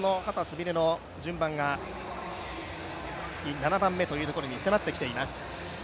美鈴の順番が７番目というところに迫ってきています。